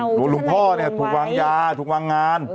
หรือว่าลุงพ่อถูกวางยาถูกวางงาน